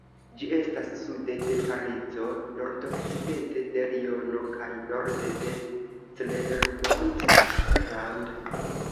Ĝi estas sude de Parizo, nordokcidente de Liono kaj norde de Clermont-Ferrand.